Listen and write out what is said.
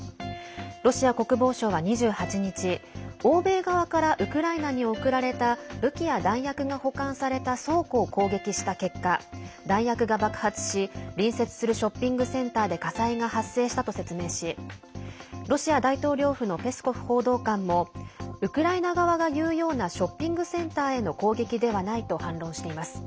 ロシア国防省は２８日欧米側からウクライナに送られた武器や弾薬が保管された倉庫を攻撃した結果弾薬が爆発し隣接するショッピングセンターで火災が発生したと説明しロシア大統領府のペスコフ報道官もウクライナ側が言うようなショッピングセンターへの攻撃ではないと反論しています。